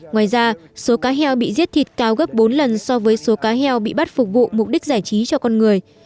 ngoài ra số cá heo bị giết thịt cao gấp bốn lần so với số cá heo bị bắt phục vụ mục đích giải trí cho con người